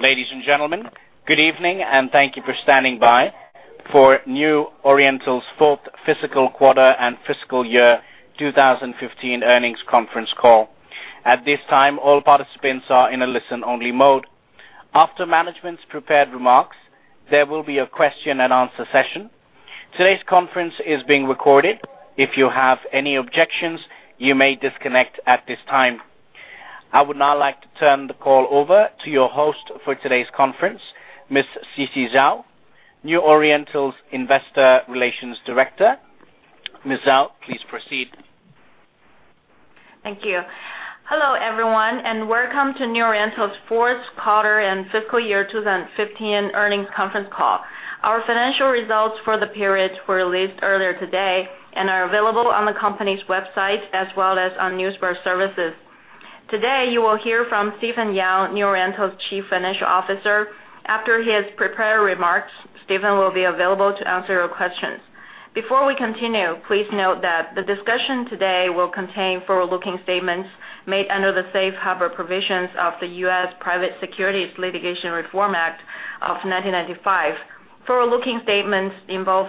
Ladies and gentlemen, good evening and thank you for standing by for New Oriental's fourth fiscal quarter and fiscal year 2015 earnings conference call. At this time, all participants are in a listen-only mode. After management's prepared remarks, there will be a question-and-answer session. Today's conference is being recorded. If you have any objections, you may disconnect at this time. I would now like to turn the call over to your host for today's conference, Ms. Sisi Zhao, New Oriental's Investor Relations Director. Ms. Zhao, please proceed. Thank you. Hello, everyone, welcome to New Oriental's fourth quarter and fiscal year 2015 earnings conference call. Our financial results for the period were released earlier today and are available on the company's website as well as on newswire services. Today, you will hear from Stephen Yang, New Oriental's Chief Financial Officer. After his prepared remarks, Stephen will be available to answer your questions. Before we continue, please note that the discussion today will contain forward-looking statements made under the Safe Harbor Provisions of the U.S. Private Securities Litigation Reform Act of 1995. Forward-looking statements involve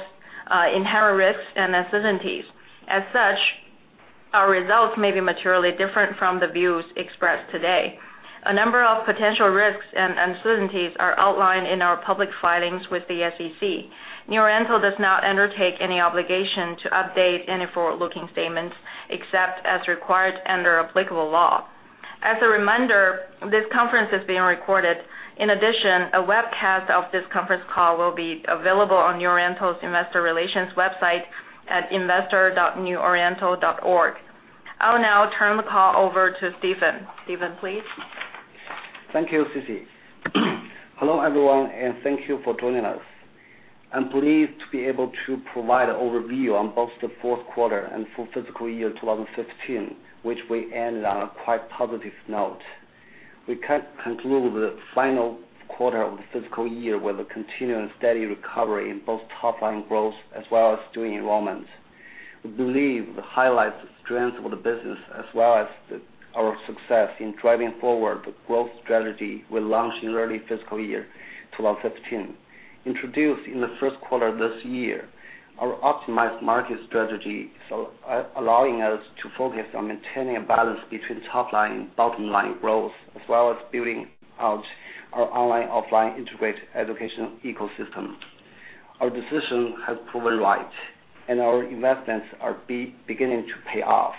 inherent risks and uncertainties. As such, our results may be materially different from the views expressed today. A number of potential risks and uncertainties are outlined in our public filings with the SEC. New Oriental does not undertake any obligation to update any forward-looking statements except as required under applicable law. As a reminder, this conference is being recorded. In addition, a webcast of this conference call will be available on New Oriental's investor relations website at investor.neworiental.org. I will now turn the call over to Stephen. Stephen, please. Thank you, CiCi. Hello, everyone, thank you for joining us. I'm pleased to be able to provide an overview on both the fourth quarter and full fiscal year 2015, which we ended on a quite positive note. We conclude the final quarter of the fiscal year with a continuing steady recovery in both top-line growth as well as student enrollments. We believe we highlight the strength of the business as well as our success in driving forward the growth strategy we launched in early fiscal year 2015. Introduced in the first quarter this year, our optimized market strategy is allowing us to focus on maintaining a balance between top-line and bottom-line growth, as well as building out our online/offline integrated education ecosystem. Our decision has proven right, our investments are beginning to pay off.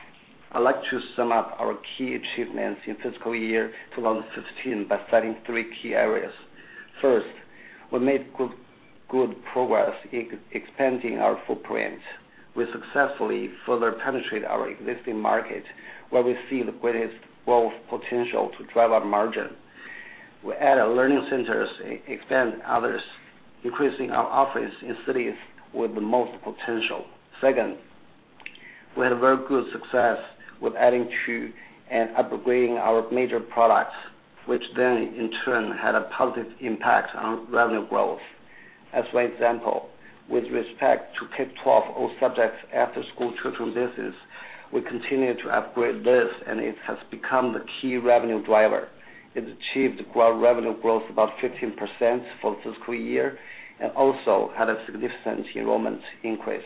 I'd like to sum up our key achievements in fiscal year 2015 by citing three key areas. First, we made good progress in expanding our footprint. We successfully further penetrate our existing market where we see the greatest growth potential to drive up margin. We added learning centers, expand others, increasing our office in cities with the most potential. Second, we had a very good success with adding to and upgrading our major products, which then, in turn, had a positive impact on revenue growth. As one example, with respect to K-12 all-subjects after-school tutoring business, we continue to upgrade this, and it has become the key revenue driver. It achieved revenue growth about 15% for the fiscal year and also had a significant enrollment increase.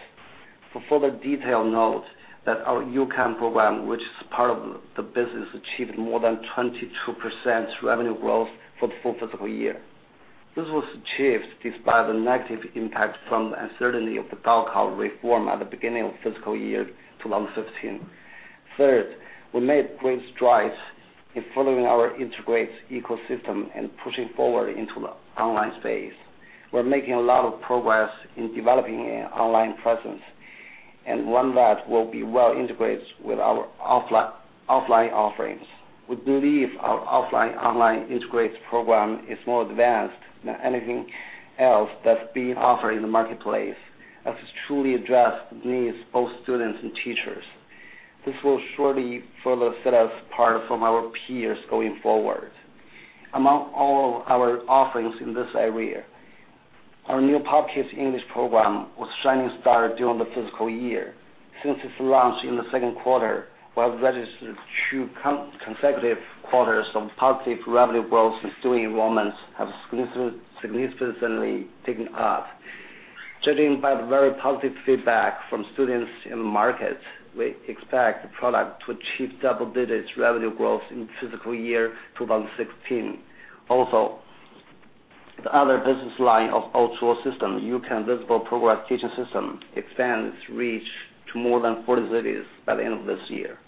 For further detail, note that our U-Can program, which is part of the business, achieved more than 22% revenue growth for the full fiscal year. This was achieved despite the negative impact from the uncertainty of the Gaokao reform at the beginning of fiscal year 2015. Third, we made great strides in following our integrated ecosystem and pushing forward into the online space. We're making a lot of progress in developing an online presence, and one that will be well integrated with our offline offerings. We believe our offline/online integrated program is more advanced than anything else that's being offered in the marketplace, as it truly address the needs of both students and teachers. This will surely further set us apart from our peers going forward. Among all of our offerings in this area, our new Pop Kids English program was a shining star during the fiscal year. Since its launch in the second quarter, we have registered two consecutive quarters of positive revenue growth and student enrollments have significantly taken off. Judging by the very positive feedback from students in the market, we expect the product to achieve double-digit revenue growth in fiscal year 2016. Also, the other business line of our O2O system, U-Can Visible Progress Teaching System, expands reach to more than 40 cities by the end of this year.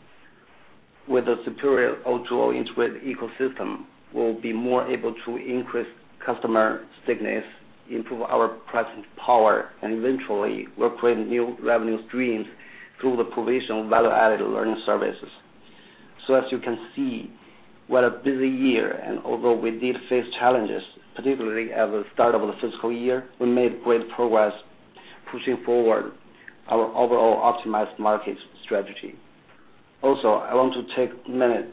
With a superior O2O integrated ecosystem, we'll be more able to increase customer stickiness, improve our pricing power, and eventually, we'll create new revenue streams through the provision of value-added learning services. As you can see, we had a busy year, and although we did face challenges, particularly at the start of the fiscal year, we made great progress pushing forward our overall optimized market strategy. I want to take a minute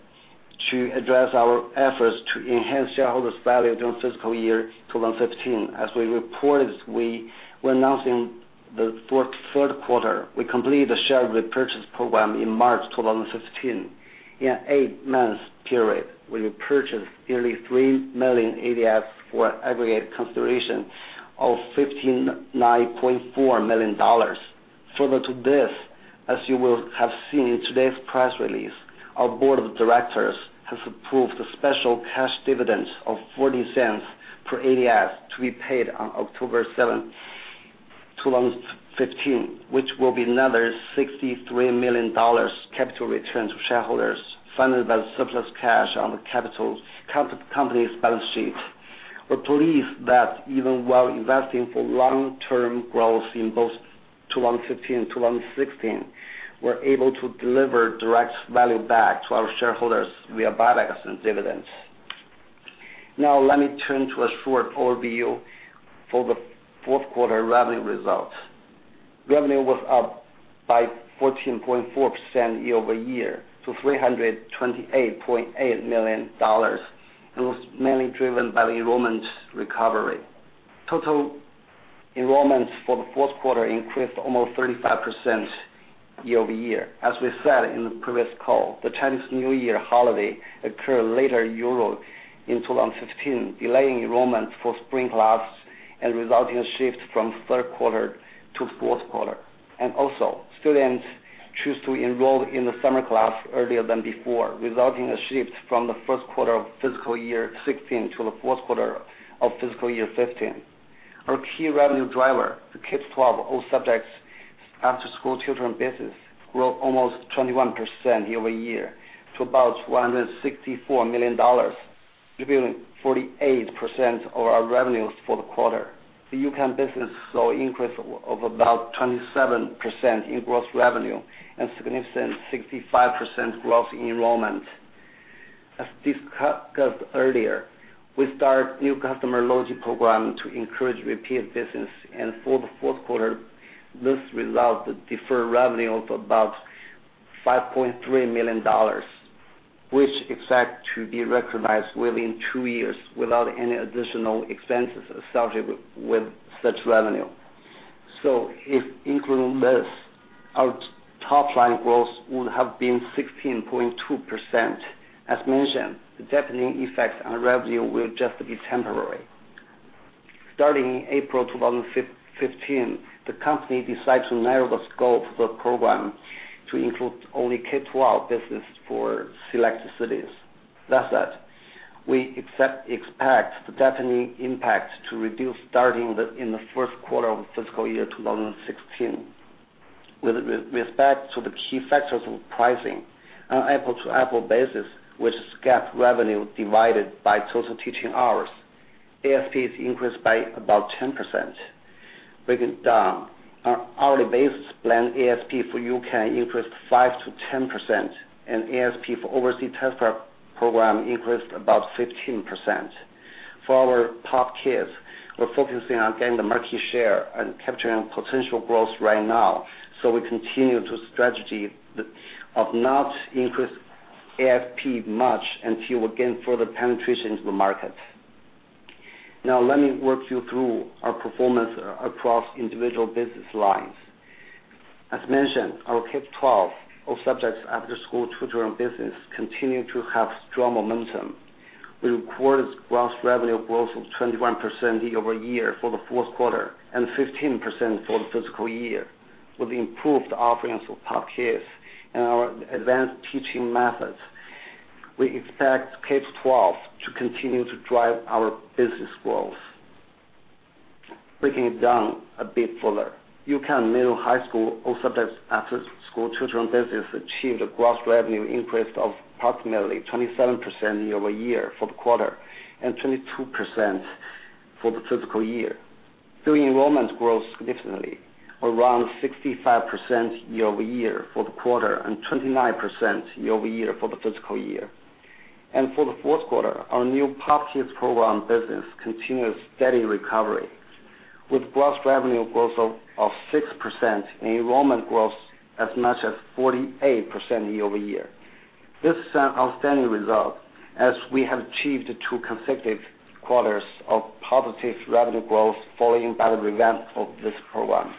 to address our efforts to enhance shareholders' value during fiscal year 2015. As we reported, we completed the share repurchase program in March 2015. In an eight-month period, we repurchased nearly 3 million ADS for aggregate consideration of $59.4 million. Further to this, as you will have seen in today's press release, our board of directors has approved a special cash dividend of $0.40 per ADS to be paid on October 7th, 2015, which will be another $63 million capital return to shareholders funded by surplus cash on the company's balance sheet. We believe that even while investing for long-term growth in both 2015 and 2016, we're able to deliver direct value back to our shareholders via buybacks and dividends. Let me turn to a short overview for the fourth quarter revenue results. Revenue was up by 14.4% year-over-year to $328.8 million. Was mainly driven by the enrollment recovery. Total enrollments for the fourth quarter increased almost 35% year-over-year. As we said in the previous call, the Chinese New Year holiday occurred later than usual in 2015, delaying enrollment for spring classes and resulting in a shift from the third quarter to the fourth quarter. Also, students chose to enroll in the summer class earlier than before, resulting in a shift from the first quarter of fiscal year 2016 to the fourth quarter of fiscal year 2015. Our key revenue driver, the K-12 all subjects after-school tutoring business, grew almost 21% year-over-year to about $164 million, distributing 48% of our revenues for the quarter. The U.K. business saw an increase of about 27% in gross revenue and a significant 65% growth in enrollment. As discussed earlier, we started a new customer loyalty program to encourage repeat business, and for the fourth quarter, this resulted in deferred revenue of about $5.3 million, which is expected to be recognized within two years without any additional expenses associated with such revenue. Including this, our top-line growth would have been 16.2%. As mentioned, the dampening effect on revenue will just be temporary. Starting in April 2015, the company decided to narrow the scope of the program to include only K-12 business for select cities. That said, we expect the dampening impact to reduce starting in the first quarter of fiscal year 2016. With respect to the key factors of pricing on an apple-to-apple basis, which is GAAP revenue divided by total teaching hours, ASPs increased by about 10%. Breaking down on an hourly basis, planned ASP for U.K. increased 5%-10%, and ASP for the overseas test prep program increased about 15%. For our POP Kids, we are focusing on getting the market share and capturing potential growth right now, so we continue the strategy of not increasing ASP much until we gain further penetration into the market. Let me walk you through our performance across individual business lines. As mentioned, our K-12 all subjects after-school tutoring business continued to have strong momentum. We recorded gross revenue growth of 21% year-over-year for the fourth quarter and 15% for the fiscal year. With the improved offerings of POP Kids and our advanced teaching methods, we expect K-12 to continue to drive our business growth. Breaking it down a bit further. U-Can middle and high school all subjects after-school tutoring business achieved a gross revenue increase of approximately 27% year-over-year for the quarter and 22% for the fiscal year. The enrollment grew significantly, around 65% year-over-year for the quarter and 29% year-over-year for the fiscal year. For the fourth quarter, our new POP Kids program business continued steady recovery, with gross revenue growth of 6% and enrollment growth as much as 48% year-over-year. This is an outstanding result as we have achieved two consecutive quarters of positive revenue growth following the revamp of this program.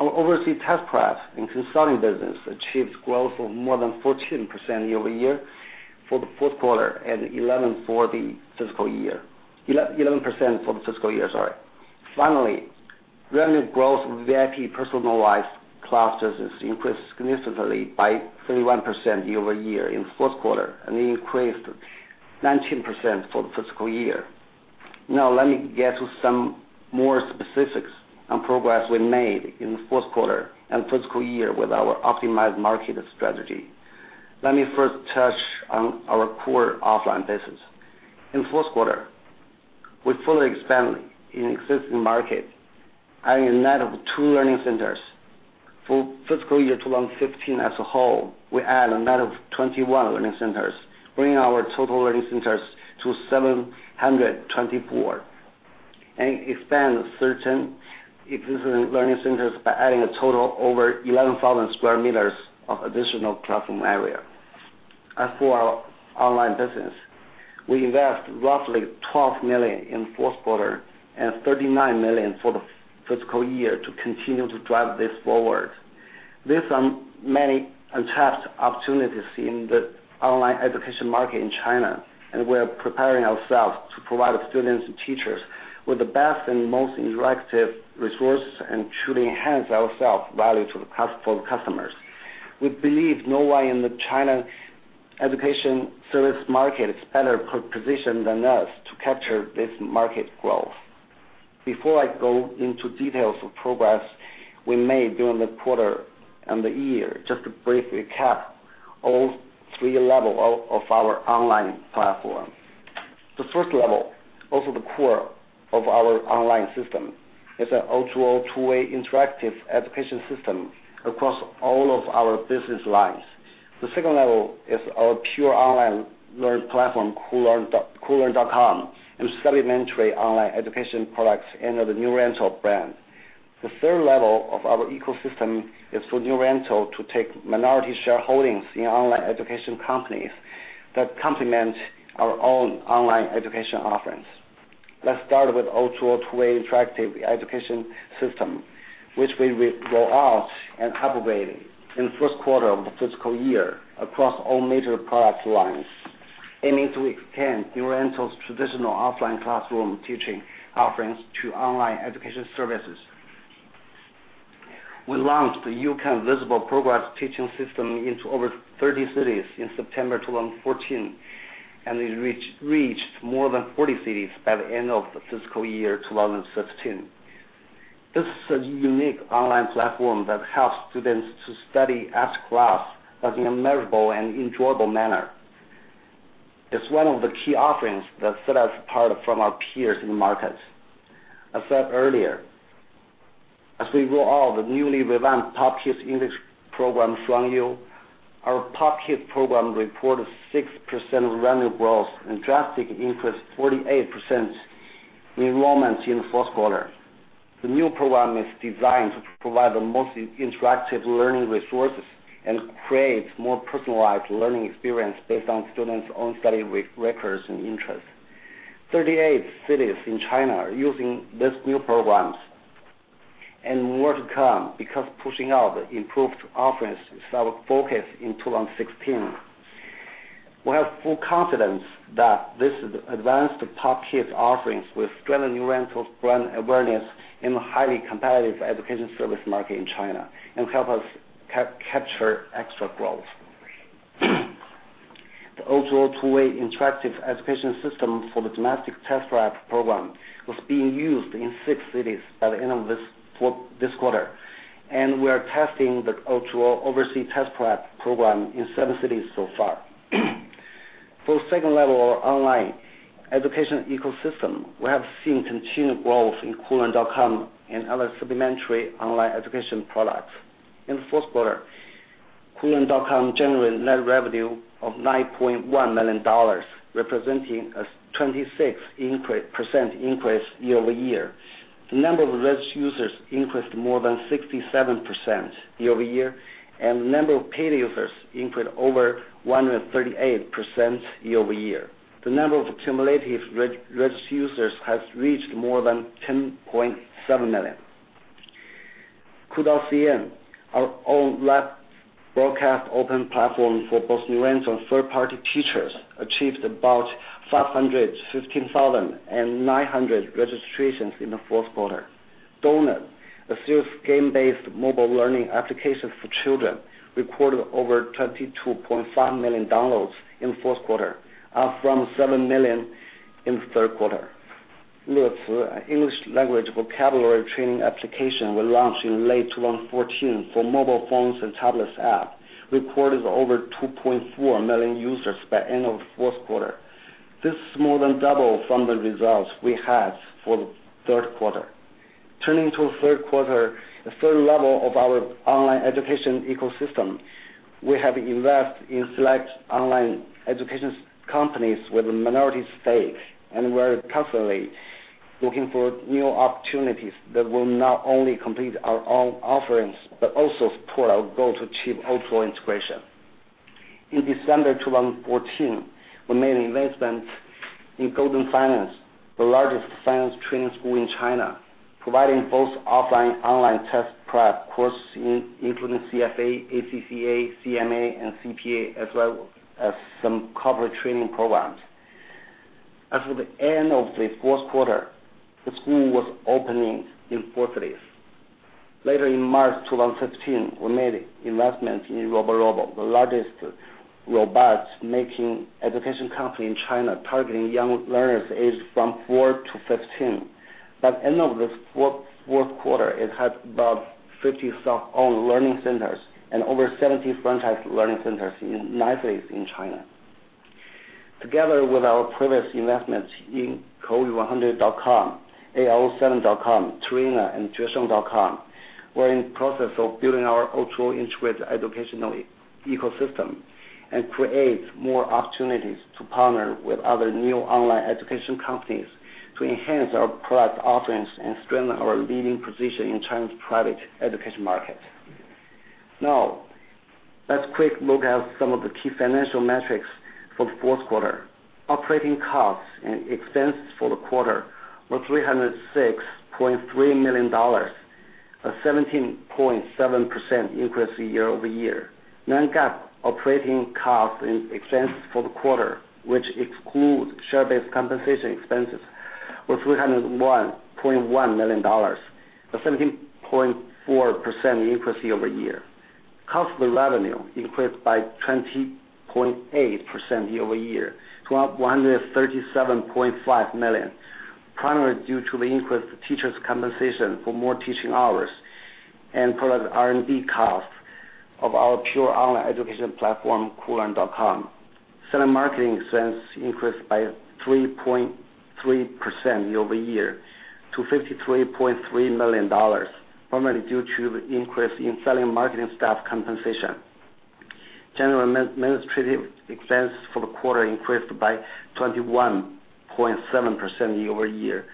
Our overseas test prep and consulting business achieved growth of more than 14% year-over-year for the fourth quarter and 11% for the fiscal year. Finally, revenue growth of VIP personalized class business increased significantly by 31% year-over-year in the fourth quarter, and increased 19% for the fiscal year. Now let me get to some more specifics on progress we made in the fourth quarter and fiscal year with our optimized market strategy. Let me first touch on our core offline business. In the fourth quarter, we fully expanded in existing markets, adding a net of two learning centers. For fiscal year 2015 as a whole, we added a net of 21 learning centers, bringing our total learning centers to 724, and expanded certain existing learning centers by adding a total of over 11,000 sq m of additional classroom area. As for our online business, we invest roughly $12 million in the fourth quarter and $39 million for the fiscal year to continue to drive this forward. There are many untapped opportunities in the online education market in China, and we're preparing ourselves to provide students and teachers with the best and most interactive resources, and truly enhance our value for the customers. We believe no one in the China education service market is better positioned than us to capture this market growth. Before I go into details of progress we made during the quarter and the year, just to briefly recap all three levels of our online platform. The level 1, also the core of our online system, is an O2O two-way interactive education system across all of our business lines. The level 2 is our pure online learning platform, koolearn.com, and supplementary online education products under the New Oriental brand. The level 3 of our ecosystem is for New Oriental to take minority shareholdings in online education companies that complement our own online education offerings. Let's start with O2O two-way interactive education system, which we will roll out and upgrade in the first quarter of the fiscal year across all major product lines, aiming to extend New Oriental's traditional offline classroom teaching offerings to online education services. We launched the U-Can Visible Progress Teaching System into over 30 cities in September 2014, and it reached more than 40 cities by the end of the fiscal year 2016. This is a unique online platform that helps students to study after class, but in a measurable and enjoyable manner. It's one of the key offerings that set us apart from our peers in the market. I said earlier, as we roll out the newly revamped Pop Kids English program, Shuangyu, our POP Kids program reported 6% revenue growth and a drastic increase, 48% enrollments in the fourth quarter. The new program is designed to provide the most interactive learning resources and create more personalized learning experience based on students' own study records and interests. 38 cities in China are using these new programs, and more to come because pushing out improved offerings is our focus in 2016. We have full confidence that this advanced POP Kids offerings will strengthen New Oriental's brand awareness in the highly competitive education service market in China and help us capture extra growth. The O2O two-way interactive education system for the domestic test prep program was being used in six cities by the end of this quarter, and we are testing the O2O overseas test prep program in seven cities so far. For the level 2 of our online education ecosystem, we have seen continued growth in koolearn.com and other supplementary online education products. In the fourth quarter, koolearn.com generated net revenue of $9.1 million, representing a 26% increase year-over-year. The number of registered users increased more than 67% year-over-year, and the number of paid users increased over 138% year-over-year. The number of cumulative registered users has reached more than 10.7 million. Cool.cn, our own live broadcast open platform for both New Oriental and third-party teachers, achieved about 515,900 registrations in the fourth quarter. DONUT, a series game-based mobile learning application for children, recorded over 22.5 million downloads in the fourth quarter, up from 7 million in the third quarter. Leci, an English language vocabulary training application we launched in late 2014 for mobile phones and tablets app, recorded over 2.4 million users by end of fourth quarter. This is more than double from the results we had for the third quarter. Turning to the third level of our online education ecosystem, we have invested in select online education companies with a minority stake, and we're constantly looking for new opportunities that will not only complete our own offerings, but also support our goal to achieve O2O integration. In December 2014, we made an investment in Golden Finance, the largest finance training school in China, providing both offline and online test prep courses, including CFA, ACCA, CMA, and CPA, as well as some corporate training programs. As of the end of the fourth quarter, the school was opening in four cities. Later in March 2015, we made investment in Roborobo, the largest robot-making education company in China, targeting young learners aged from 4 to 15. By end of the fourth quarter, it had about 50 self-owned learning centers and over 70 franchise learning centers in nine cities in China. Together with our previous investments in Kouyu100.com, AO7.com, Trina, and Juesheng.com, we're in the process of building our O2O integrated educational ecosystem and create more opportunities to partner with other new online education companies to enhance our product offerings and strengthen our leading position in China's private education market. Now, let's quick look at some of the key financial metrics for the fourth quarter. Operating costs and expenses for the quarter were $306.3 million, a 17.7% increase year-over-year. Non-GAAP operating costs and expenses for the quarter, which excludes share-based compensation expenses, were $301.1 million, a 17.4% increase year-over-year. Cost of revenue increased by 20.8% year-over-year, to $137.5 million, primarily due to the increased teachers' compensation for more teaching hours, and product R&D costs of our pure online education platform, koolearn.com. Selling marketing expense increased by 3.3% year-over-year to $53.3 million, primarily due to the increase in selling marketing staff compensation. General and administrative expenses for the quarter increased by 21.7% year-over-year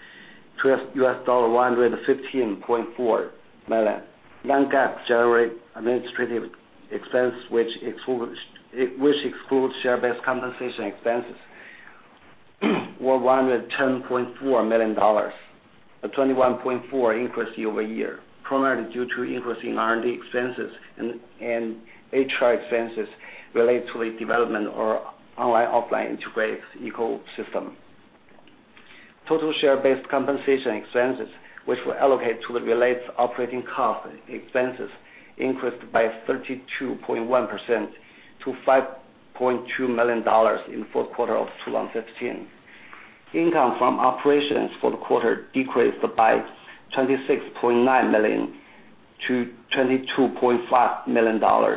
to $115.4 million. Non-GAAP general and administrative expense, which excludes share-based compensation expenses, were $110.4 million, a 21.4 increase year-over-year, primarily due to increase in R&D expenses and HR expenses related to the development our online/offline integrated ecosystem. Total share-based compensation expenses, which were allocated to the related operating cost expenses, increased by 32.1% to $5.2 million in the fourth quarter of 2015. Income from operations for the quarter decreased by $26.9 million to $22.5 million.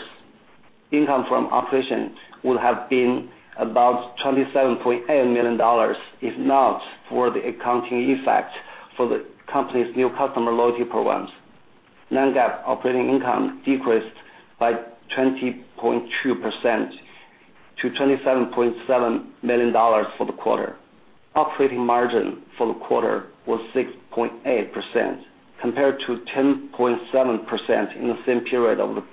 Income from operations would have been about $27.8 million if not for the accounting effect for the company's new customer loyalty programs. Non-GAAP operating income decreased by 20.2% to $27.7 million for the quarter. Operating margin for the quarter was 6.8%, compared to 10.7% in the same period of the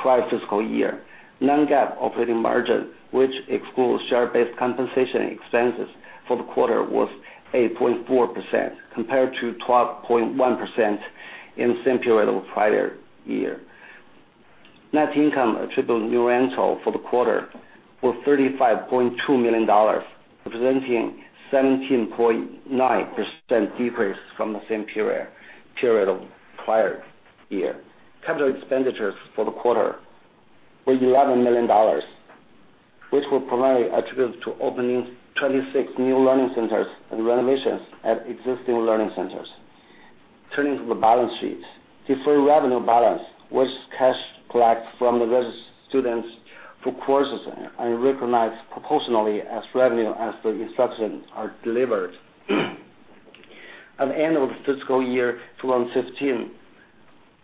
prior fiscal year. Non-GAAP operating margin, which excludes share-based compensation expenses for the quarter, was 8.4%, compared to 12.1% in the same period of the prior year. Net income attributable to New Oriental for the quarter was $35.2 million, representing 17.9% decrease from the same period of the prior year. Capital expenditures for the quarter were $11 million, which were primarily attributed to opening 26 new learning centers and renovations at existing learning centers. Turning to the balance sheet, deferred revenue balance, which is cash collected from the registered students for courses and recognized proportionally as revenue as the instruction are delivered. At the end of the fiscal year 2015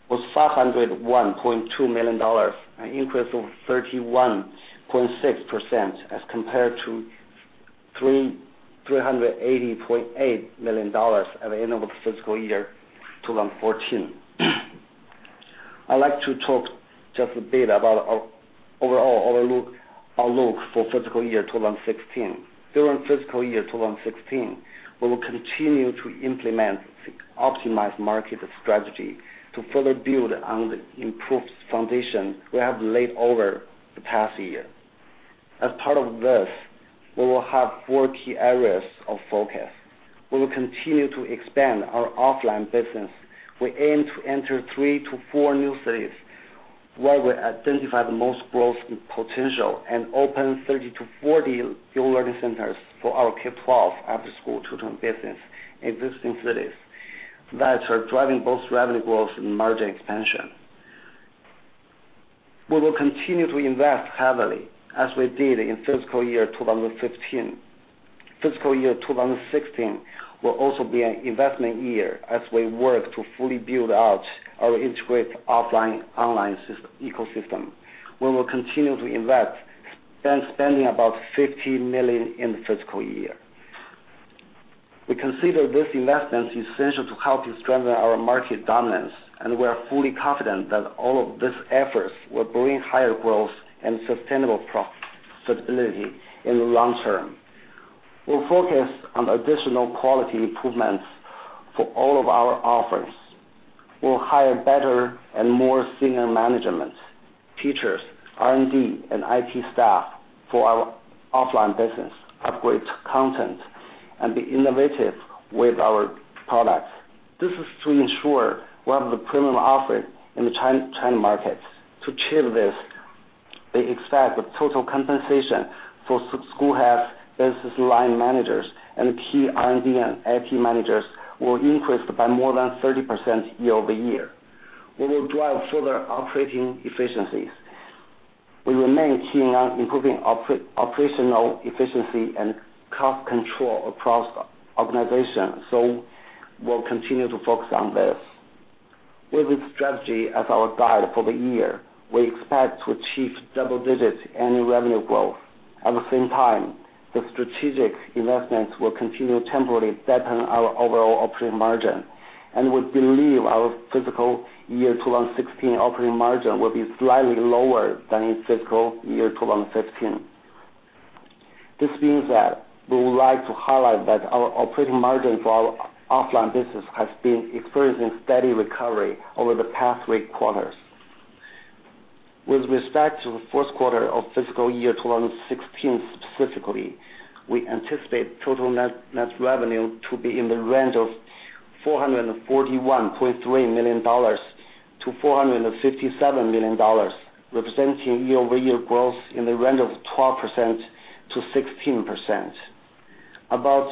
was $501.2 million, an increase of 31.6% as compared to $380.8 million at the end of the fiscal year 2014. I'd like to talk just a bit about our overall outlook for fiscal year 2016. During fiscal year 2016, we will continue to implement optimized market strategy to further build on the improved foundation we have laid over the past year. As part of this, we will have four key areas of focus. We will continue to expand our offline business. We aim to enter three to four new cities where we identify the most growth potential and open 30 to 40 new learning centers for our K-12 after-school tutoring business in existing cities that are driving both revenue growth and margin expansion. We will continue to invest heavily as we did in fiscal year 2015. Fiscal year 2016 will also be an investment year as we work to fully build out our integrated offline, online ecosystem. We will continue to invest, spend about $50 million in the fiscal year. We consider this investment essential to help to strengthen our market dominance. We are fully confident that all of these efforts will bring higher growth and sustainable profitability in the long term. We'll focus on additional quality improvements for all of our offerings. We'll hire better and more senior management, teachers, R&D, and IT staff for our offline business, upgrade content, and be innovative with our products. This is to ensure we have the premium offering in the China markets. To achieve this, they expect the total compensation for school heads, business line managers, and key R&D and IT managers will increase by more than 30% year-over-year. We will drive further operating efficiencies. We remain keen on improving operational efficiency and cost control across the organization, we'll continue to focus on this. With this strategy as our guide for the year, we expect to achieve double-digit annual revenue growth. At the same time, the strategic investments will continue temporarily damping our overall operating margin. We believe our fiscal year 2016 operating margin will be slightly lower than in fiscal year 2015. This means that we would like to highlight that our operating margin for our offline business has been experiencing steady recovery over the past three quarters. With respect to the first quarter of fiscal year 2016, specifically, we anticipate total net revenue to be in the range of $441.3 million to $457 million, representing year-over-year growth in the range of 12% to 16%. About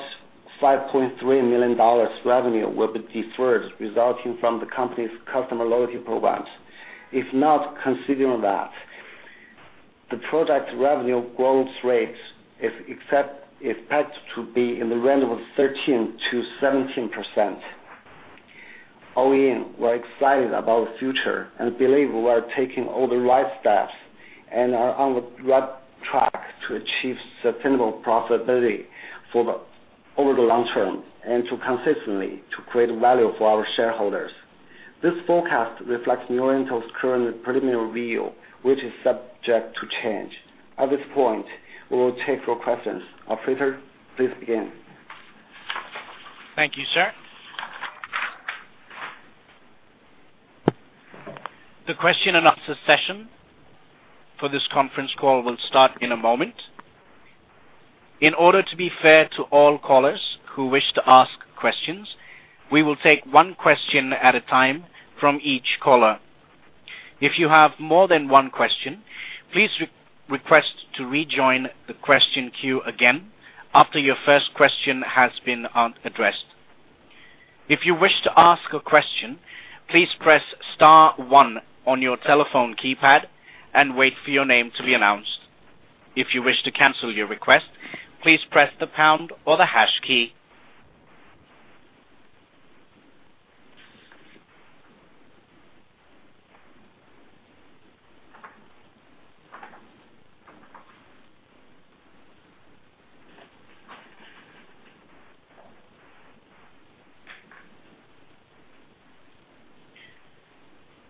$5.3 million revenue will be deferred resulting from the company's customer loyalty programs. If not considering that, the product revenue growth rate is expected to be in the range of 13% to 17%. All in, we're excited about the future and believe we are taking all the right steps and are on the right track to achieve sustainable profitability over the long term and to consistently create value for our shareholders. This forecast reflects New Oriental's current preliminary view, which is subject to change. At this point, we will take your questions. Operator, please begin. Thank you, sir. The question and answer session for this conference call will start in a moment. In order to be fair to all callers who wish to ask questions, we will take one question at a time from each caller. If you have more than one question, please request to rejoin the question queue again after your first question has been addressed. If you wish to ask a question, please press star one on your telephone keypad and wait for your name to be announced. If you wish to cancel your request, please press the pound or the hash key.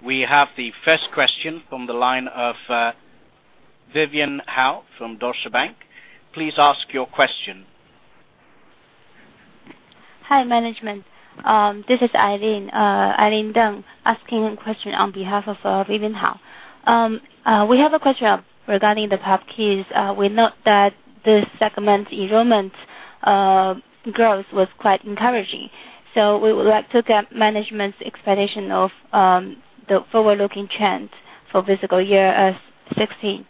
We have the first question from the line of Vivian Hao from Deutsche Bank. Please ask your question. Hi, management. This is Eileen Deng, asking a question on behalf of Vivian Hao. We have a question regarding the POP Kids. We note that this segment's enrollment growth was quite encouraging. We would like to get management's explanation of the forward-looking trend for fiscal year 2016.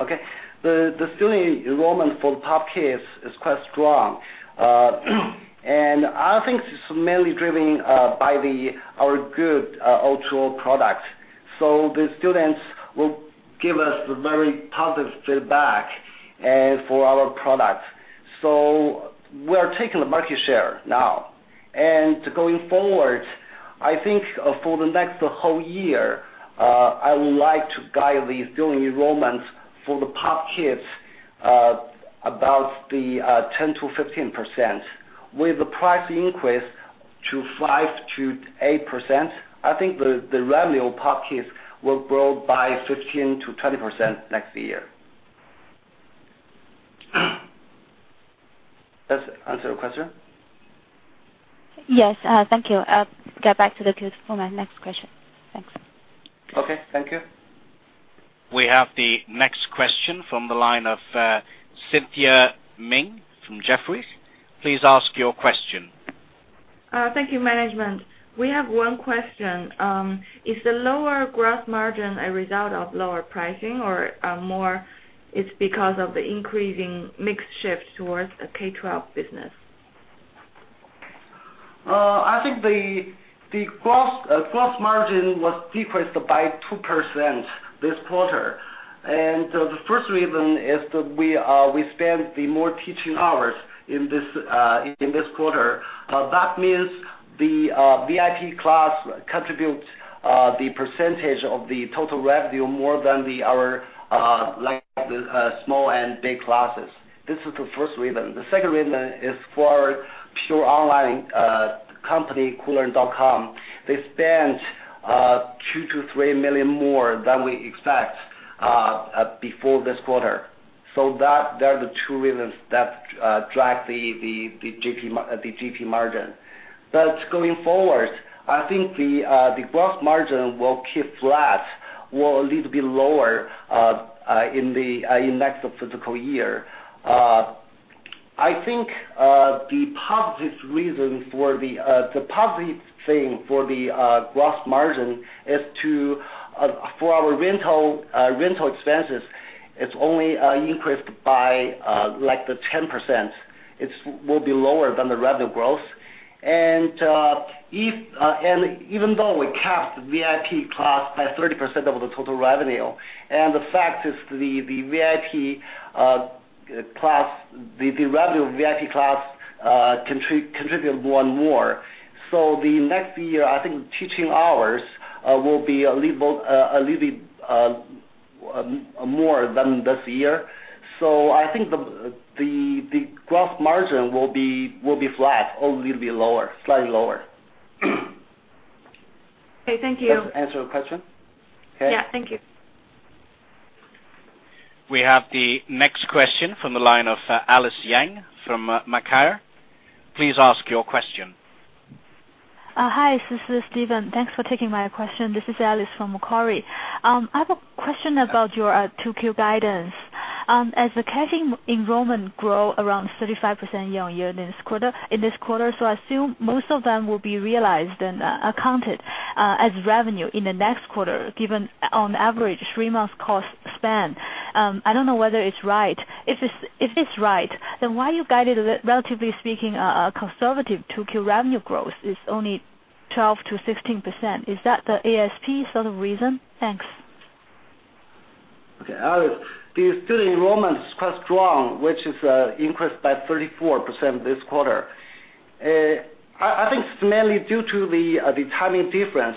Okay. The student enrollment for POP Kids is quite strong. I think it's mainly driven by our good overall product. The students will give us very positive feedback for our product. We are taking the market share now. Going forward, I think for the next whole year, I would like to guide the student enrollment for the POP Kids about 10%-15%, with the price increase 5%-8%. I think the revenue of POP Kids will grow by 15%-20% next year. Does that answer your question? Yes. Thank you. I'll get back to the queue for my next question. Thanks. Okay, thank you. We have the next question from the line of Cynthia Meng from Jefferies. Please ask your question. Thank you, management. We have one question. Is the lower gross margin a result of lower pricing or more it's because of the increasing mix shift towards a K-12 business? I think the gross margin was decreased by 2% this quarter. The first reason is that we spent more teaching hours in this quarter. That means the VIP class contributes the percentage of the total revenue more than our small and big classes. This is the first reason. The second reason is for our pure online company, koolearn.com. They spent $2 million to $3 million more than we expect before this quarter. They are the two reasons that drive the GP margin. Going forward, I think the gross margin will keep flat or a little bit lower in the next fiscal year. I think the positive thing for the gross margin is for our rental expenses, it is only increased by 10%. It will be lower than the revenue growth. Even though we capped VIP class by 30% of the total revenue, the fact is the revenue of VIP class contribute more and more. The next year, I think teaching hours will be a little bit more than this year. I think the gross margin will be flat or a little bit lower, slightly lower. Okay, thank you. Does that answer your question? Yeah, thank you. We have the next question from the line of Alice Yang from Macquarie. Please ask your question. Hi, this is Stephen. Thanks for taking my question. This is Alice from Macquarie. I have a question about your 2Q guidance. As the cash enrollment grow around 35% year-on-year in this quarter, I assume most of them will be realized and accounted, as revenue in the next quarter, given on average three months cost span. I don't know whether it's right. If it's right, why you guided, relatively speaking, a conservative 2Q revenue growth? It's only 12%-16%. Is that the ASP sort of reason? Thanks. Okay, Alice. The student enrollment is quite strong, which is increased by 34% this quarter. I think it's mainly due to the timing difference,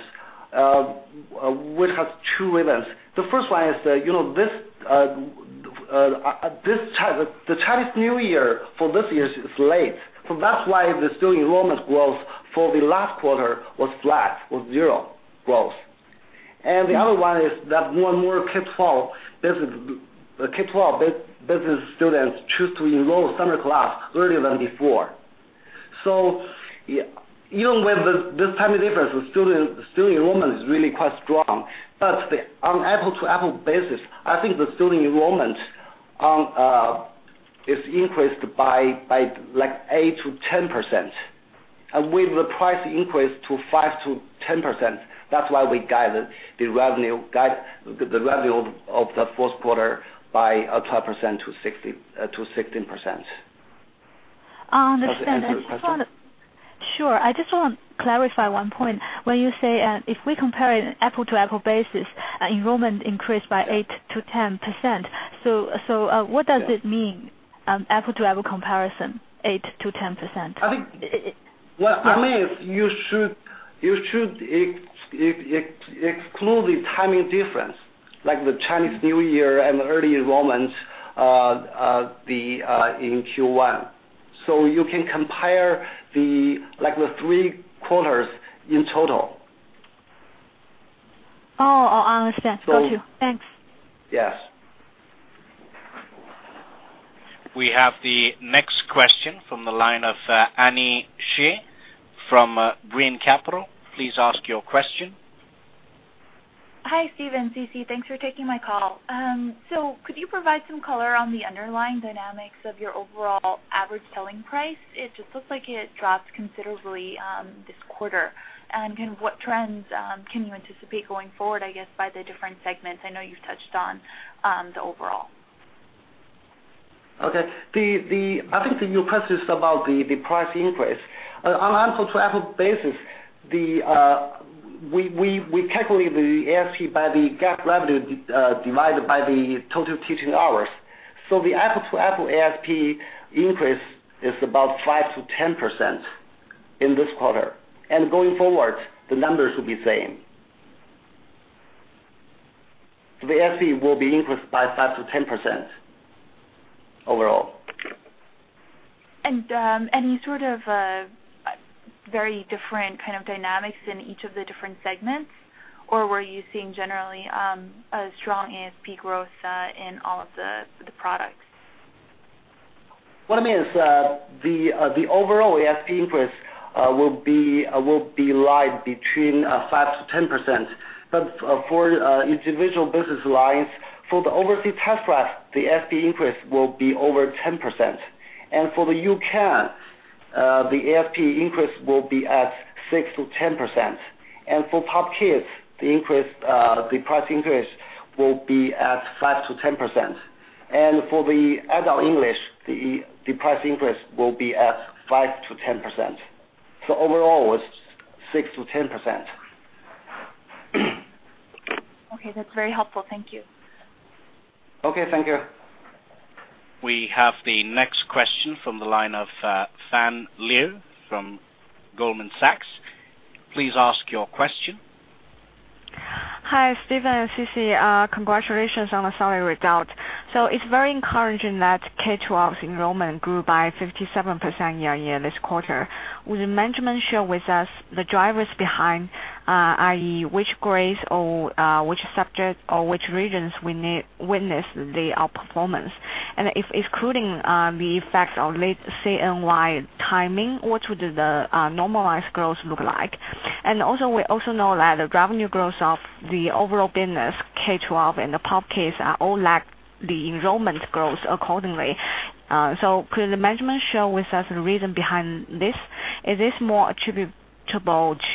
which has two events. The first one is the Chinese New Year for this year is late. That's why the student enrollment growth for the last quarter was flat, was zero growth. The other one is that more and more K-12 business students choose to enroll summer class earlier than before. Even with this timing difference, the student enrollment is really quite strong. On apple-to-apple basis, I think the student enrollment is increased by 8%-10%. With the price increase to 5%-10%, that's why we guide the revenue of the fourth quarter by 12%-16%. Understand. Does that answer your question? Sure. I just want to clarify one point. When you say, if we compare in an apple-to-apple basis, enrollment increased by 8%-10%. What does it mean, apple-to-apple comparison, 8%-10%? What I mean is you should exclude the timing difference, like the Chinese New Year and early enrollment in Q1. You can compare the three quarters in total. Oh, I understand. Got you. So- Thanks. Yes. We have the next question from the line of Annie Xie from Brean Capital. Please ask your question. Hi, Stephen, CC. Thanks for taking my call. Could you provide some color on the underlying dynamics of your overall average selling price? It just looks like it dropped considerably this quarter. Kind of what trends can you anticipate going forward, I guess, by the different segments? I know you've touched on the overall. Okay. I think your question is about the price increase. On an apple-to-apple basis, we calculate the ASP by the GAAP revenue divided by the total teaching hours. The apple-to-apple ASP increase is about 5%-10% in this quarter. Going forward, the numbers will be same. The ASP will be increased by 5%-10% overall. Any sort of very different kind of dynamics in each of the different segments, or were you seeing generally a strong ASP growth in all of the products? What I mean is, the overall ASP increase will be lie between 5%-10%, but for individual business lines, for the overseas test prep, the ASP increase will be over 10%. For the U-Can, the ASP increase will be at 6%-10%. For POP Kids, the price increase will be at 5%-10%. For the adult English, the price increase will be at 5%-10%. Overall, it's 6%-10%. Okay, that's very helpful. Thank you. Okay, thank you. We have the next question from the line of Fan Liu from Goldman Sachs. Please ask your question. Hi, Stephen and Sisi. Congratulations on the summer result. It is very encouraging that K-12 enrollment grew by 57% year-on-year this quarter. Would the management share with us the drivers behind, i.e., which grades or which subject or which regions witnessed the outperformance? If excluding the effects of late CNY timing, what would the normalized growth look like? Also, we also know that the revenue growth of the overall business, K-12, and the POP Kids are all lack the enrollment growth accordingly. Could the management share with us the reason behind this? Is this more attributable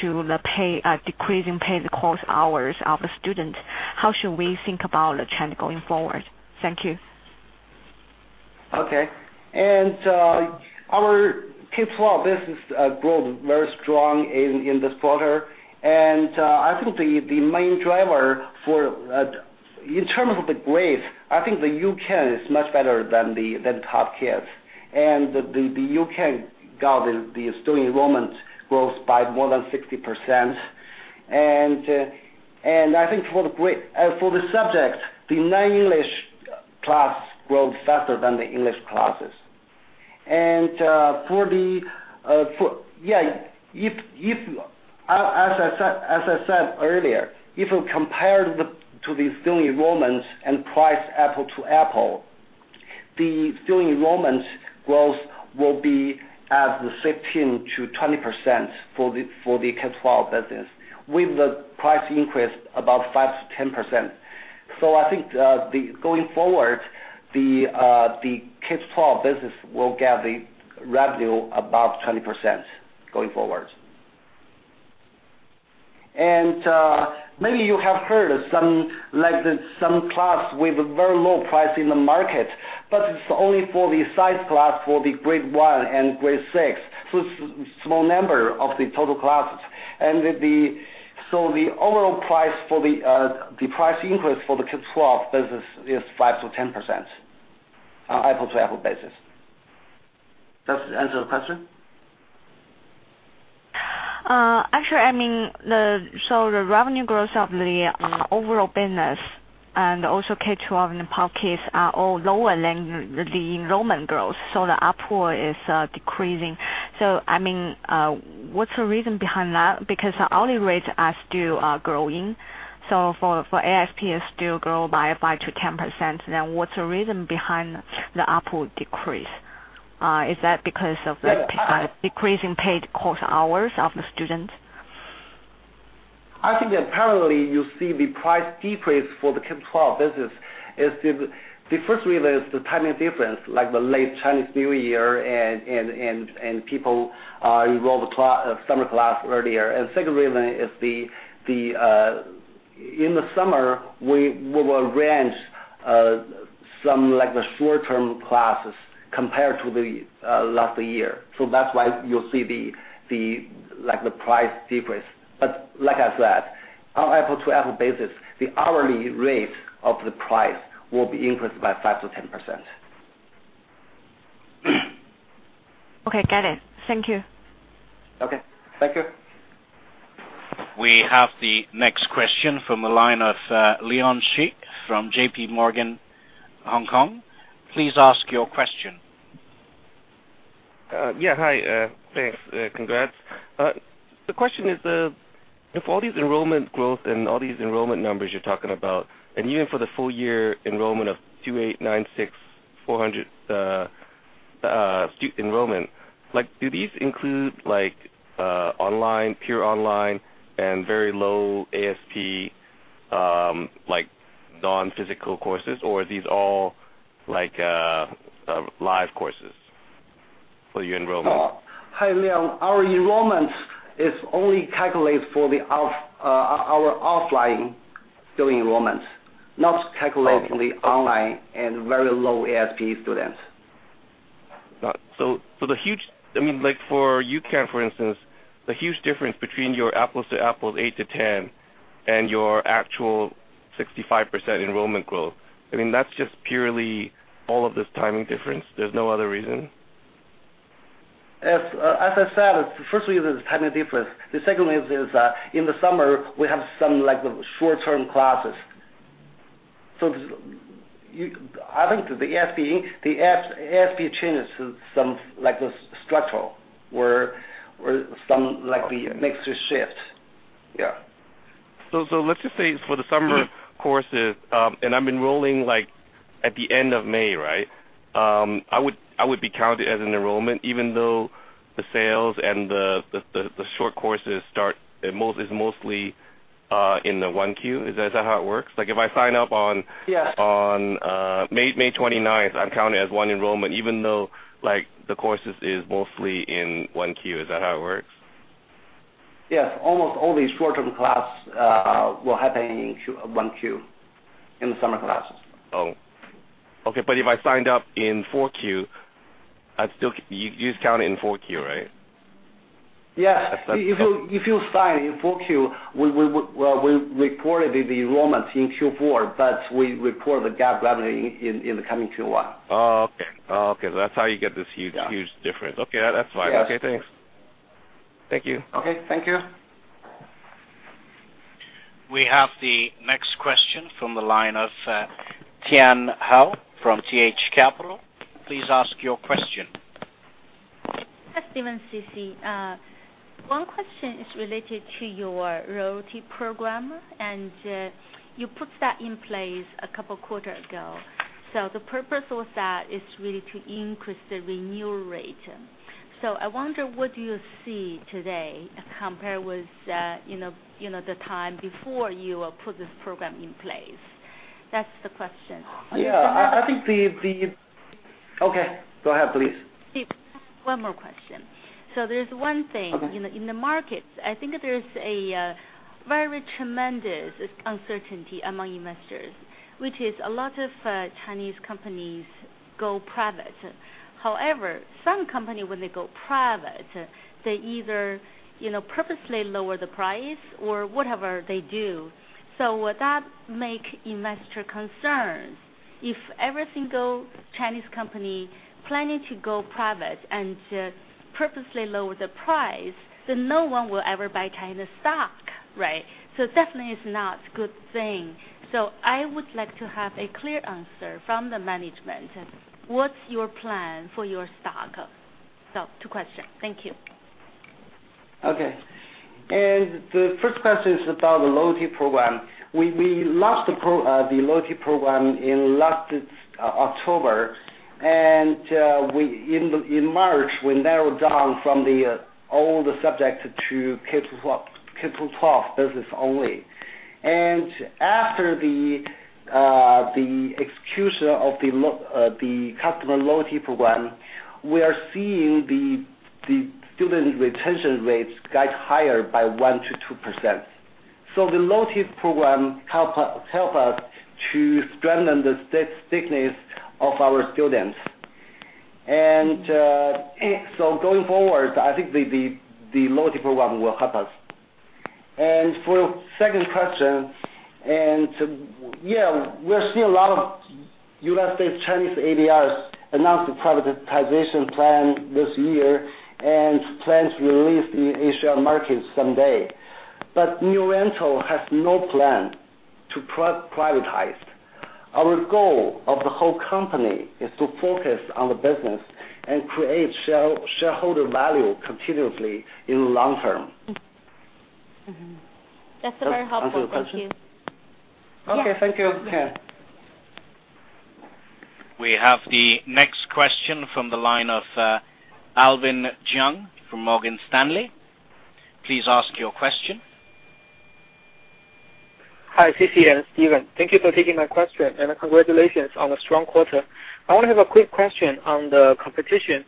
to the decreasing paid course hours of the student? How should we think about the trend going forward? Thank you. Okay. Our K-12 business growth very strong in this quarter. In terms of the grades, I think the U-Can is much better than the POP Kids. The U-Can got the student enrollment growth by more than 60%. I think for the subjects, the non-English class grows faster than the English classes. As I said earlier, if you compare to the student enrollments and price apple to apple, the student enrollment growth will be at 16%-20% for the K-12 business, with the price increase about 5%-10%. I think going forward, the K-12 business will get the revenue above 20%, going forward. Maybe you have heard of some class with a very low price in the market, but it is only for the size class for the grade 1 and grade 6, small number of the total classes. The overall price increase for the K-12 business is 5%-10%, on an apple-to-apple basis. Does that answer the question? Actually, the revenue growth of the overall business and also K-12 and POP Kids are all lower than the enrollment growth. The output is decreasing. What's the reason behind that? Because hourly rates are still growing. For ASPs still grow by 5%-10%, then what's the reason behind the output decrease? Is that because of the decreasing paid course hours of the students? I think that currently you see the price decrease for the K-12 business. The first reason is the timing difference, like the late Chinese New Year, and people enroll the summer class earlier. Second reason is in the summer, we will arrange some short-term classes compared to last year. That's why you'll see the price decrease. Like I said, on an apple-to-apple basis, the hourly rate of the price will be increased by 5%-10%. Okay, got it. Thank you. Okay. Thank you. We have the next question from the line of Leon Shi from J.P. Morgan Hong Kong. Please ask your question. Yeah. Hi. Thanks. Congrats. The question is, if all these enrollment growth and all these enrollment numbers you're talking about, and even for the full year enrollment of 289,600 student enrollment, do these include pure online and very low ASP, like non-physical courses, or are these all live courses for your enrollment? Hi, Leon. Our enrollment is only calculated for our offline student enrollment, not calculating the online and very low ASP students. I mean, like for U-Can, for instance, the huge difference between your apples to apples, 8 to 10, and your actual 65% enrollment growth, that's just purely all of this timing difference? There's no other reason? As I said, the first reason is timing difference. The second reason is in the summer, we have some short-term classes. I think the ASP changes some structural or some mixture shift. Yeah. Let's just say for the summer courses, and I'm enrolling at the end of May, right? I would be counted as an enrollment even though the sales and the short courses start is mostly in the one Q? Is that how it works? Like if I sign up on- Yes May 29th, I'm counted as one enrollment even though the courses is mostly in one Q. Is that how it works? Yes. Almost all the short-term class will happen in one Q, in the summer classes. Okay. If I signed up in four Q, you just count it in four Q, right? Yes. If you sign in four Q, we reported the enrollment in Q4, but we report the GAAP revenue in the coming Q1. Okay. That's how you get this huge difference. Okay. That's fine. Yes. Okay, thanks. Thank you. Okay. Thank you. We have the next question from the line of Tian Hou from TH Capital. Please ask your question. Hi, Stephen, Sisi. One question is related to your royalty program. You put that in place a couple quarter ago. The purpose of that is really to increase the renewal rate. I wonder what you see today compared with the time before you put this program in place. That's the question. Yeah. Okay, go ahead, please. One more question. Okay. There's one thing. In the market, I think there is a very tremendous uncertainty among investors, which is a lot of Chinese companies Go private. However, some company, when they go private, they either purposely lower the price or whatever they do. Would that make investor concerns? If every single Chinese company planning to go private and just purposely lower the price, then no one will ever buy China stock, right? Definitely it's not good thing. I would like to have a clear answer from the management. What's your plan for your stock? Two question. Thank you. Okay. The first question is about the loyalty program. We launched the loyalty program in last October. In March, we narrowed down from the old subject to K-12 business only. After the execution of the customer loyalty program, we are seeing the student retention rates get higher by 1%-2%. The loyalty program help us to strengthen the stickiness of our students. Going forward, I think the loyalty program will help us. For second question, we're seeing a lot of U.S. Chinese ADRs announce the privatization plan this year and plan to release in A-share markets someday. New Oriental has no plan to privatize. Our goal of the whole company is to focus on the business and create shareholder value continuously in long term. That's very helpful. Does that answer your question? Thank you. Okay. Thank you, Ken. We have the next question from the line of Alvin Jiang from Morgan Stanley. Please ask your question. Hi, Sisi and Stephen. Thank you for taking my question, and congratulations on a strong quarter. I want to have a quick question on the competition.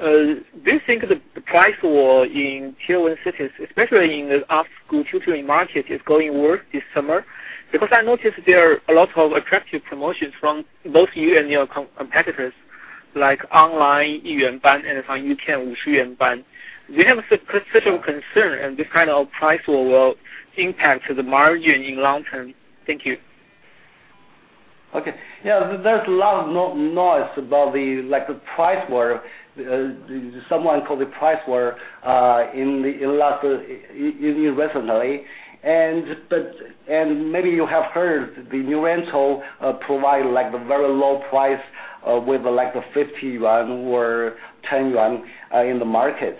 Do you think the price war in Tier 1 cities, especially in the after-school tutoring market, is going worse this summer? I noticed there are a lot of attractive promotions from both you and your competitors, like online 一元班 and on U-Can 50 一元班. Do you have such a concern? This kind of price war will impact the margin in long term? Thank you. Okay. There's a lot of noise about the price war. Someone called the price war recently. Maybe you have heard the New Oriental provide the very low price with the 50 yuan or 10 yuan in the market.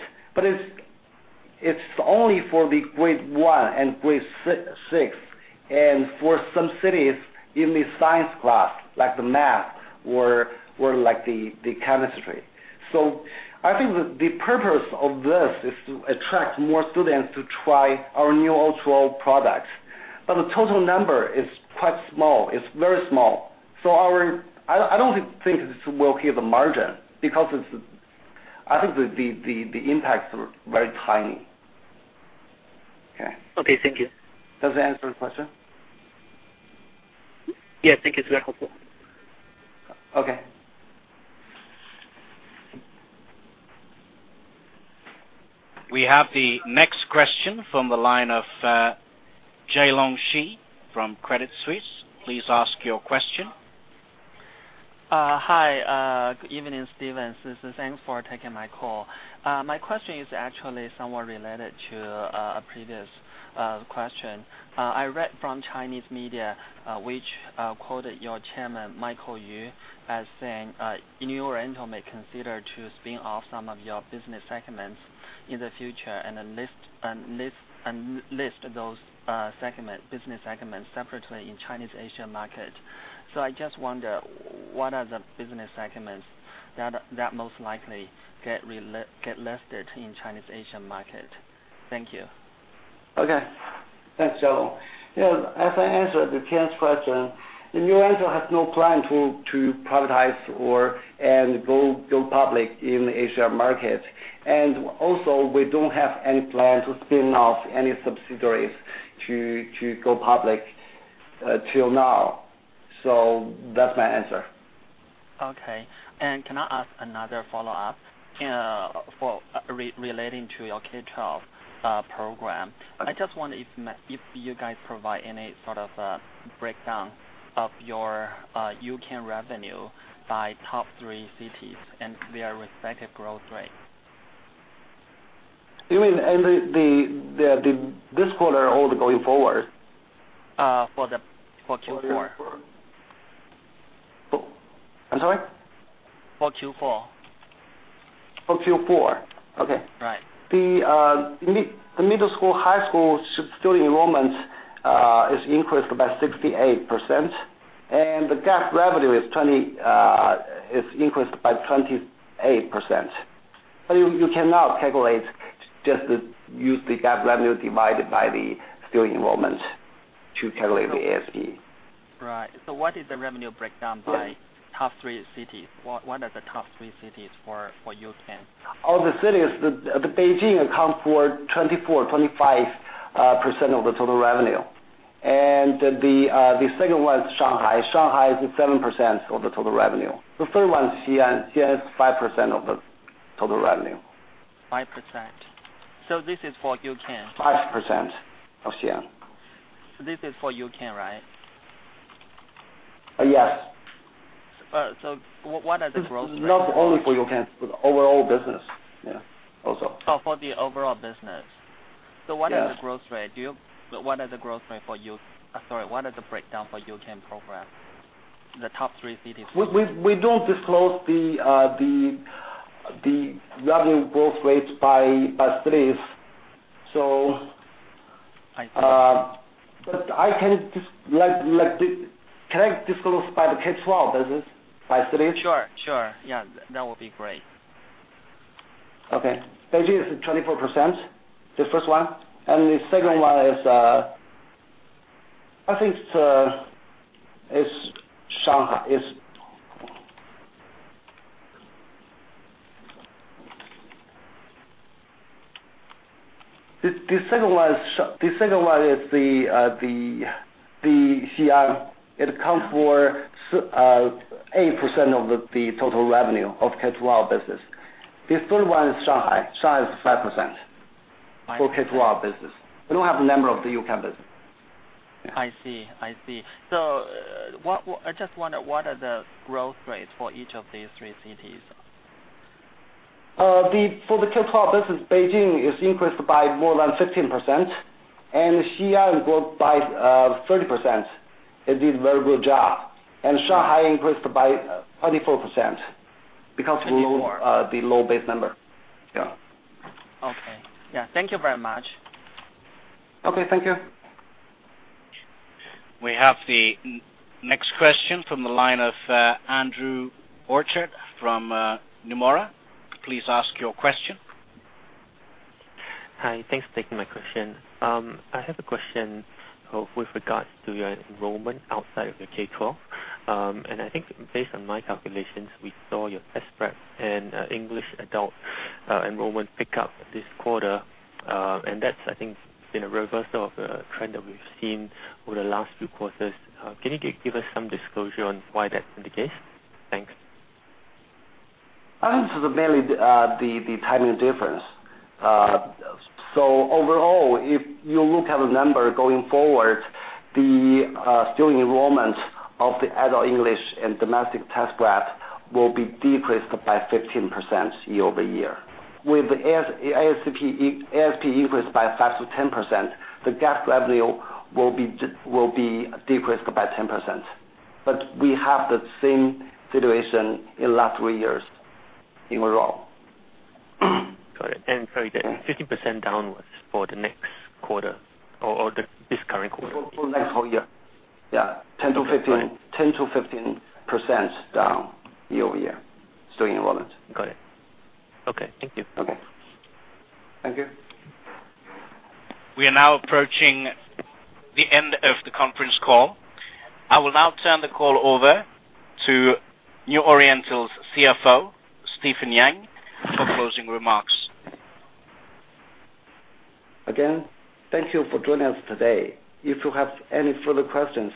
It's only for the grade 1 and grade 6. For some cities, in the science class, like the math or the chemistry. I think the purpose of this is to attract more students to try our new O2O products. The total number is quite small. It's very small. I don't think this will hit the margin because I think the impact is very tiny. Okay. Okay, thank you. Does that answer the question? Yeah, I think it's very helpful. Okay. We have the next question from the line of Jialong Shi from Credit Suisse. Please ask your question. Hi. Good evening, Stephen. This is Ang, thanks for taking my call. My question is actually somewhat related to a previous question. I read from Chinese media, which quoted your chairman, Michael Yu, as saying New Oriental may consider to spin off some of your business segments in the future, then list those business segments separately in Chinese A-share market. I just wonder, what are the business segments that most likely get listed in Chinese A-share market? Thank you. Okay. Thanks, Jialong. Yeah, as I answered Ken's question, New Oriental has no plan to privatize or go public in the A-share market. Also, we don't have any plan to spin off any subsidiaries to go public till now. That's my answer. Okay. Can I ask another follow-up relating to your K-12 program? Okay. I just wonder if you guys provide any sort of a breakdown of your U-Can revenue by top three cities and their respective growth rates. You mean in this quarter or going forward? For Q4. I'm sorry. For Q4. For Q4. Okay. Right. The middle school, high school student enrollment is increased by 68%, and the GAAP revenue is increased by 28%. You cannot calculate, just use the GAAP revenue divided by the student enrollment to calculate the ASP. Right. What is the revenue breakdown by top three cities? What are the top three cities for U-Can? Of the cities, Beijing account for 24%, 25% of the total revenue. The second one is Shanghai. Shanghai is seven percent of the total revenue. The third one is Xian. Xian is five percent of the total revenue. Five percent. This is for U-Can. Five percent of Xian. This is for U-Can, right? Yes. What are the growth rates? Not only for U-Can, for the overall business, yeah, also. For the overall business. Yes. What are the breakdown for U-Can program, the top three cities? We don't disclose the revenue growth rates by cities. I see. Can I disclose by the K-12 business, by cities? Sure. Sure, yeah. That would be great. Okay. Beijing is 24%, the first one, and the second one is, I think it's Shanghai. The second one is the Xian. It account for 8% of the total revenue of K-12 business. The third one is Shanghai. Shanghai is 5%- I see. For K-12 business. We don't have the number of the U-Can business. Yeah. I see. I just wonder, what are the growth rates for each of these three cities? For the K-12 business, Beijing is increased by more than 15%, and Xian grew by 30%. It did a very good job. Shanghai increased by 24%- Twenty-four because of the low base number. Yeah. Okay. Yeah. Thank you very much. Okay, thank you. We have the next question from the line of Andrew Orchard from Nomura. Please ask your question. Hi, thanks for taking my question. I have a question with regards to your enrollment outside of your K-12. I think based on my calculations, we saw your test prep and English adult enrollment pick up this quarter, and that's, I think, been a reversal of the trend that we've seen over the last few quarters. Can you give us some disclosure on why that's the case? Thanks. This is mainly the timing difference. Overall, if you look at the number going forward, the student enrollment of the adult English and domestic test prep will be decreased by 15% year-over-year. With ASP increased by 5%-10%, the GAAP revenue will be decreased by 10%. We have the same situation in last three years in a row. Got it. Sorry, the 15% downwards for the next quarter or this current quarter? For next whole year. Yeah, 10%-15%. Right. 10%-15% down year-over-year student enrollment. Got it. Okay, thank you. Okay. Thank you. We are now approaching the end of the conference call. I will now turn the call over to New Oriental's CFO, Stephen Yang, for closing remarks. Again, thank you for joining us today. If you have any further questions,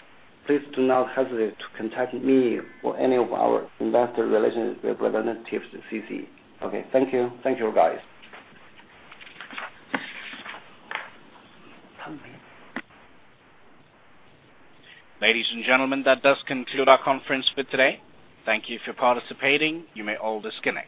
please do not hesitate to contact me or any of our investor relationship representatives at CiCi. Okay, thank you. Thank you, guys. Ladies and gentlemen, that does conclude our conference for today. Thank you for participating. You may all disconnect.